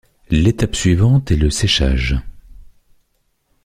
L’étape suivante est le séchage.